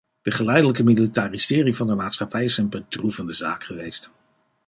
De geleidelijke militarisering van de maatschappij is een bedroevende zaak geweest.